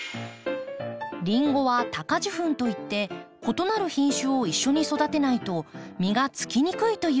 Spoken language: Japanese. リンゴは「他家受粉」といって異なる品種を一緒に育てないと実がつきにくいという性質があります。